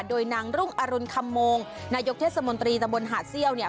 โดยนางรุ่งอรุณคำโมงนายกเทศมนตรีตะบนหาดเซี่ยวเนี่ย